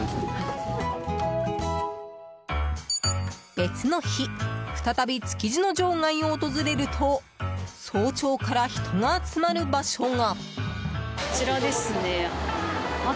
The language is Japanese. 別の日再び築地の場外を訪れると早朝から人が集まる場所が。